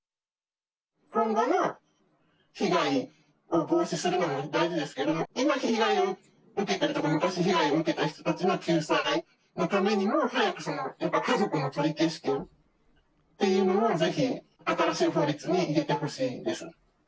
今後の被害を防止するのも大事ですけど、今被害を受けてるというか、昔被害を受けた人たちの救済のためにも、早く家族の取消権っていうのをぜひ新しい法律に入れてほしいです。